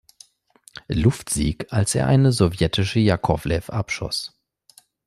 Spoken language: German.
Luftsieg, als er eine sowjetische Jakowlew abschoss.